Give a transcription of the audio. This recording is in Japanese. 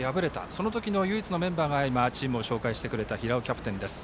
その時の唯一のメンバーが今チームを紹介してくれた平尾キャプテンです。